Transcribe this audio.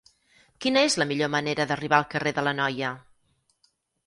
Quina és la millor manera d'arribar al carrer de l'Anoia?